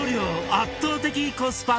圧倒的コスパ！